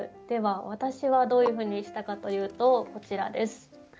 では私はどういうふうにしたかというとこちらです。